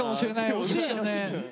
惜しいよね。